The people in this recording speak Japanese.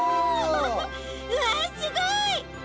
うわすごい！